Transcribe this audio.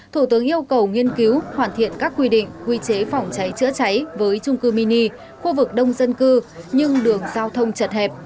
thủ tướng yêu cầu nghiên cứu hoàn thiện các quy định quy chế phòng cháy chữa cháy với trung cư mini khu vực đông dân cư nhưng đường giao thông chật hẹp